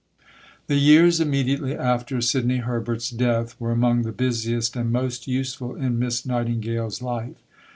The years immediately after Sidney Herbert's death were among the busiest and most useful in Miss Nightingale's life.